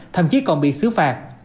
thậm chí còn bị xứ phạt